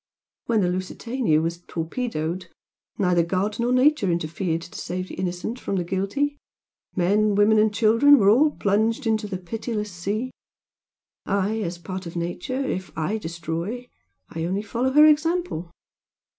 When the 'Lusitania' was torpedoed neither God nor Nature interfered to save the innocent from the guilty men, women and children were all plunged into the pitiless sea. I as a part of Nature if I destroy, I only follow her example.